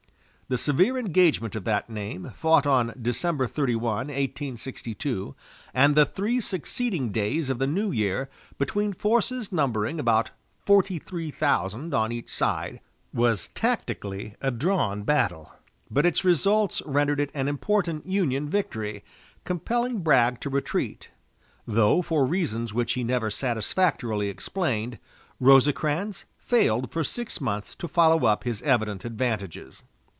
The severe engagement of that name, fought on December 31, 1862, and the three succeeding days of the new year, between forces numbering about forty three thousand on each side, was tactically a drawn battle, but its results rendered it an important Union victory, compelling Bragg to retreat; though, for reasons which he never satisfactorily explained, Rosecrans failed for six months to follow up his evident advantages.